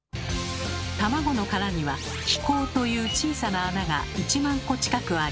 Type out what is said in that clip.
卵の殻には「気孔」という小さな穴が１万個近くあり